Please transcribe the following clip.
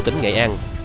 tỉnh nghệ an